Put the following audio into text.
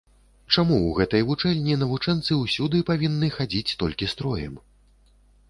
Чаму ў гэтай вучэльні навучэнцы ўсюды павінны хадзіць толькі строем?